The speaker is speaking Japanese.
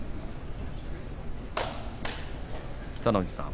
北の富士さん